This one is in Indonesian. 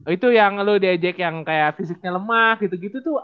itu yang lo diejek yang kayak fisiknya lemah gitu gitu tuh